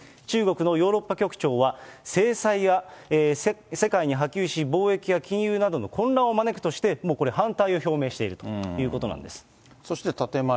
中国のヨーロッパ局長は、制裁は世界に波及し、貿易や金融などの混乱を招くとして、もうこれ反対を表明しているということなんです。